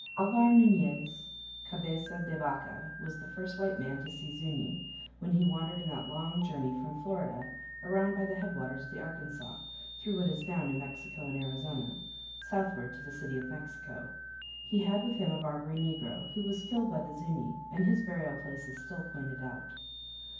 Alvar Nuñez Caveza de Vaca was the first white man to see Zuñi, when he wandered in that long journey from Florida around by the headwaters of the Arkansas, through what is now New Mexico and Arizona, southward to the City of Mexico. He had with him a Barbary negro, who was killed by the Zuñi, and his burial place is still pointed out.